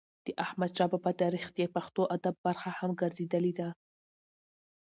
د احمدشا بابا تاریخ د پښتو ادب برخه هم ګرځېدلې ده.